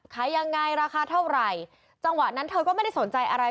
ขายยังไงราคาเท่าไหร่จังหวะนั้นเธอก็ไม่ได้สนใจอะไร